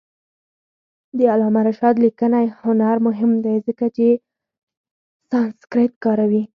د علامه رشاد لیکنی هنر مهم دی ځکه چې سانسکریت کاروي.